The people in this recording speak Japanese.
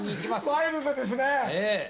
ワイルドですね。